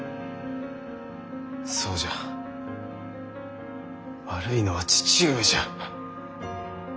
そうじゃ悪いのは父上じゃ。